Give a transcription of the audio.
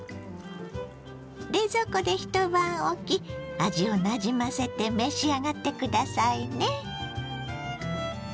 冷蔵庫で一晩おき味をなじませて召し上がってくださいね。